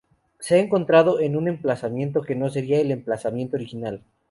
Se ha encontrado en un emplazamiento que no sería el emplazamiento original.